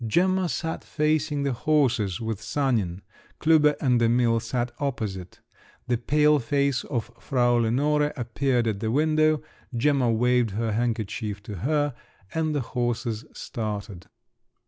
Gemma sat facing the horses, with Sanin; Klüber and Emil sat opposite. The pale face of Frau Lenore appeared at the window; Gemma waved her handkerchief to her, and the horses started.